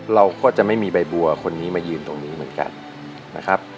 เราก็จะไม่มีใบบัวคนนี้มายืนตรงนี้เหมือนกันนะครับ